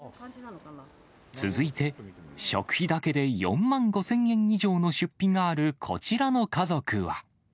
続いて、食費だけで４万５０００円以上の出費があるこちらの家族は。